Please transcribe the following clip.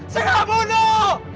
saya tidak membunuh